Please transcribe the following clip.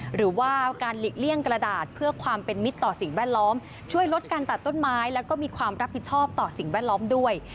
หรือว่าการหลีกเลี่ยงกระดาษเพื่อความเป็นมิตรต่อสิ่งแวดล้อมช่วยลดการตัดต้นไม้แล้วก็มีความรับผิดชอบต่อสิ่งแวดล้อมด้วย